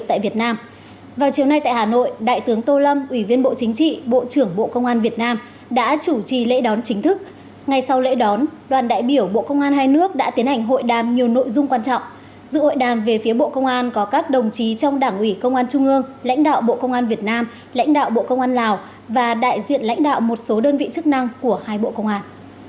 xin chào các đồng chí trong đảng ủy công an trung ương lãnh đạo bộ công an việt nam lãnh đạo bộ công an lào và đại diện lãnh đạo một số đơn vị chức năng của hai bộ công an